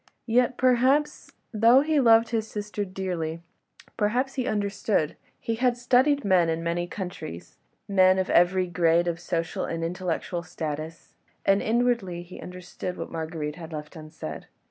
Yet perhaps—though he loved his sister dearly—perhaps he understood: he had studied men in many countries, men of all ages, men of every grade of social and intellectual status, and inwardly he understood what Marguerite had left unsaid.